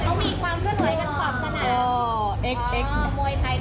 มันมีความเครื่องหน่วยกันขอบสนาม